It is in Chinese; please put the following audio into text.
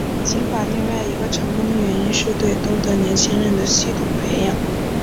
尽管另外一个成功的原因是对东德年轻人的系统培养。